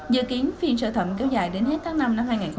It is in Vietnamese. dự kiến phiên sở thẩm kéo dài đến hết tháng năm năm hai nghìn một mươi tám